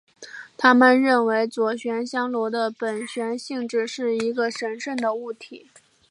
他们认为左旋香螺的左旋性质是一个神圣的物体。